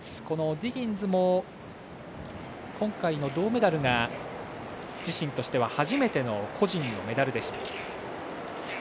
このディギンズも今回の銅メダルが自身としては初めての個人のメダルでした。